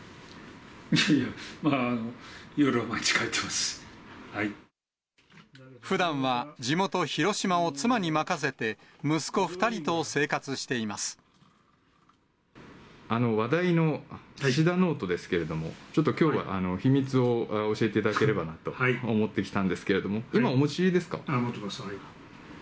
いやいや、まあ、ふだんは地元、広島を妻に任話題の岸田ノートですけれども、ちょっときょうは、秘密を教えていただければなと思って来たんですけど、今お持ちで持ってますよ。